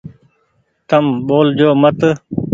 تم ٻول جو مت ۔